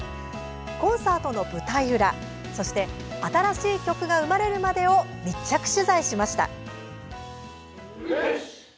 コンサートの舞台裏、そして新しい曲が生まれるまでを密着取材しました。